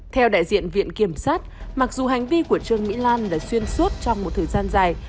theo đại diện viện kiểm sát mặc dù hành vi của trương mỹ lan là xuyên suốt trong một thời gian dài